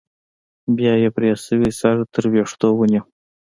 بيا يې پرې شوى سر تر ويښتو ونيو.